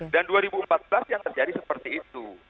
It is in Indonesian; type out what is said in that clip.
dan dua ribu empat belas yang terjadi seperti itu